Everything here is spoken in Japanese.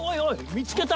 見つけた！